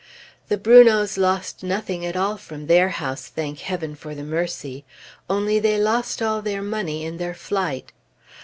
The Brunots lost nothing at all from their house, thank Heaven for the mercy! Only they lost all their money in their flight.